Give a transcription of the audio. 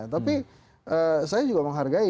tapi saya juga menghargai